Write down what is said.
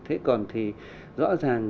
thế còn thì rõ ràng